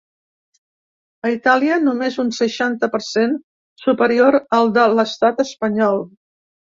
A Itàlia, només un seixanta per cent superior al de l’estat espanyol.